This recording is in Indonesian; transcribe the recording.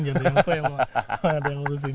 janda yang tua yang mau ada yang ngurusin